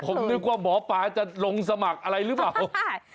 ผมนึกว่าหมอปลาจะลงสมัครอะไรหรือเปล่า